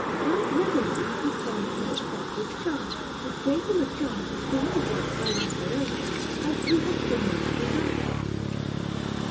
Right readily did Francia accept this charge, which gave him a chance of seeing a work by Raffaello, as he had so much desired.